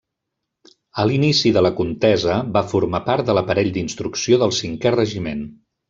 A l'inici de la contesa, va formar part de l'aparell d'instrucció del Cinquè Regiment.